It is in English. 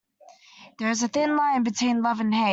There is a thin line between love and hate.